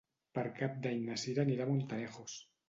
Per Cap d'Any na Cira anirà a Montanejos.